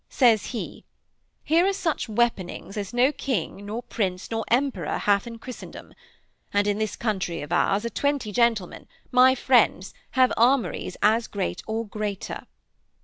Says he: "_Here are such weaponings as no king, nor prince, nor emperor hath in Christendom. And in this country of ours are twenty gentlemen, my friends, have armouries as great or greater.